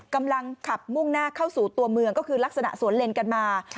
กำลังขับมุ่งหน้าเข้าสู่ตัวเมืองก็คือลักษณะสวนเลนกันมา